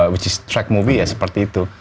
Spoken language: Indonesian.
which is track movie ya seperti itu